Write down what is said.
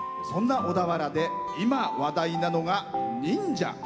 そんな小田原で今、話題なのが忍者。